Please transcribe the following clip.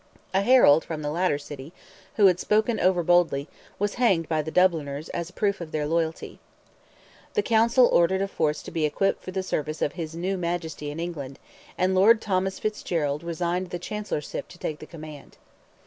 A herald from the latter city, who had spoken over boldly, was hanged by the Dubliners as a proof of their loyalty. The Council ordered a force to be equipped for the service of his new Majesty in England, and Lord Thomas Fitzgerald resigned the Chancellorship to take the command.